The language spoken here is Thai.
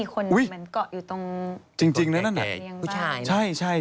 ก็มีคนเหมือนเกาะอยู่ตรงแก่บ้าน